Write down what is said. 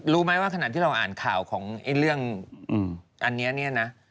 รู้ไหมว่าขณะที่เราอ่านข่าวของเรื่องอันนี้เนี่ยนะ